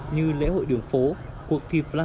như lễ hội đường phố cuộc thi flatmob